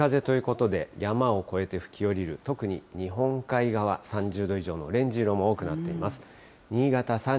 南風ということで、山を越えて吹き降りる、特に日本海側、３０度以上のオレンジ色も多くなっています。